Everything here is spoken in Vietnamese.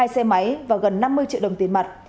hai xe máy và gần năm mươi triệu đồng tiền mặt